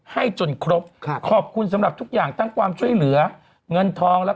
ป้าขอบคุณมากนะครับ